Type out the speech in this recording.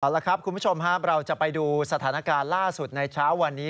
เอาละครับคุณผู้ชมครับเราจะไปดูสถานการณ์ล่าสุดในเช้าวันนี้